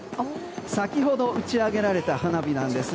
先ほど打ち上げられた花火なんです。